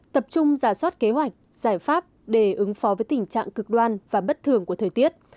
tập trung giả soát kế hoạch giải pháp để ứng phó với tình trạng cực đoan và bất thường của thời tiết